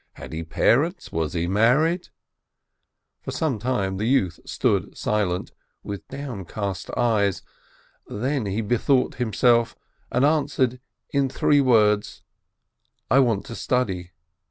Had he parents ? Was he married ? For some time the youth stood silent, with downcast eyes, then he bethought himself, and answered in three words: "I want to study